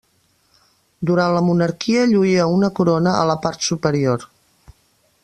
Durant la monarquia lluïa una corona a la part superior.